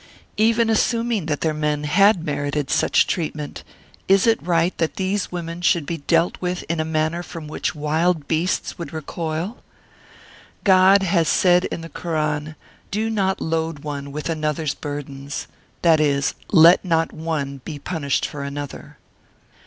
Even assuming that their men had merited such treatment, is it right that these women should be dealt with in a manner from which wild beasts would recoil ? God has said in the Koran :" Do not load one with an other's burthens," that is, Let not one be punished for another.